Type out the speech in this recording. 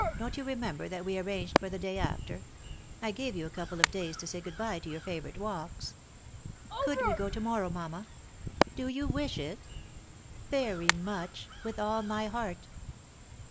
Don't you remember that we arranged for the day after ? I gave you a couple of days to say good bye to your favourite walks." " Gould we go to morrow, mamma ?" "Do you wish it?" " Very much. With all my heart."